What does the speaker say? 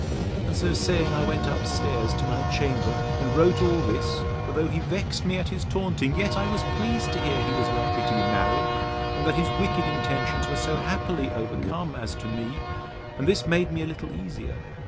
And so saying, I went up stairs to my chamber, and wrote all this; for though he vexed me at his taunting, yet I was pleased to hear he was likely to be married, and that his wicked intentions were so happily overcome as to me; and this made me a little easier.